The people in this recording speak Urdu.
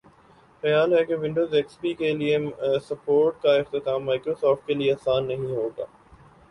خیال ہے کہ ونڈوز ایکس پی کے لئے سپورٹ کااختتام مائیکروسافٹ کے لئے آسان نہیں ہوگا